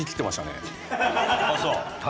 ああそう。